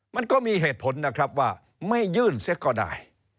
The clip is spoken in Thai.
มันก็มีเหตุผลนะครับว่าไม่ยื่นเสียก็ได้